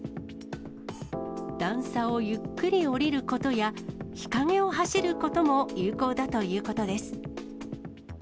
段差をゆっくり下りることや、日陰を走ることも有効だということです。